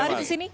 mas ari disini